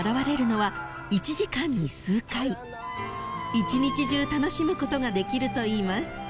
［一日中楽しむことができるといいます］